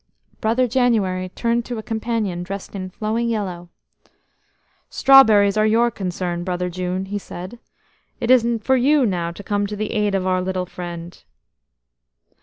Brother January turned to a companion dressed in flowing yellow. "Strawberries are your concern, Brother June," he said. "It is for you now to come to the aid of our little friend."